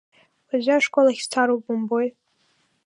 Уажәы ашкол ахь сцароуп, умбои.